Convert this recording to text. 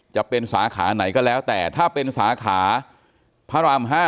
จะเป็นสาขาไหนก็แล้วแต่ถ้าเป็นสาขาพระราม๕